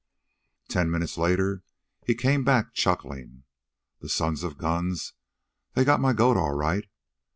Ten minutes later he came back chuckling. "The sons of guns, they got my goat all right.